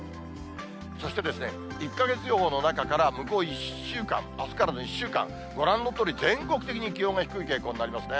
そして１か月予報の中から向こう１週間、あすからの１週間、ご覧のとおり、全国的に気温が低い傾向になりますね。